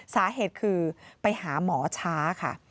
สาเหตุคือไปหาหมอช้าค่ะ